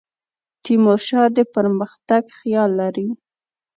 تیمور شاه د پرمختګ خیال لري.